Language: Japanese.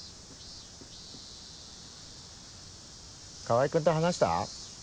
川合君と話した？